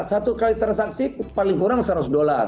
satu kali transaksi paling kurang seratus dolar